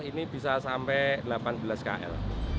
ini bisa sampai delapan belas kl